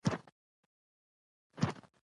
ماشوم د کتاب پاڼې اړولې.